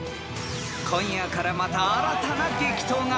［今夜からまた新たな激闘が始まる］